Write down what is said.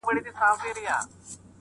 په ساعتونو مجلسونه او مرکې کړې دي